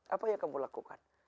apa yang kamu lakukan